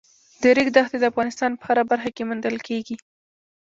د ریګ دښتې د افغانستان په هره برخه کې موندل کېږي.